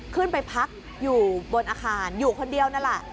ขึ้นไปพักอยู่บนอาคารอยู่คนเดียวนั่นแหละ